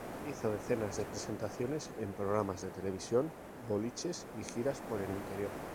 Hizo decenas de presentaciones en programas de televisión, boliches y giras por el interior.